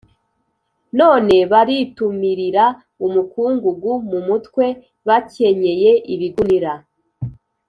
none baritumurira umukungugu mu mutwe, bakenyeye ibigunira.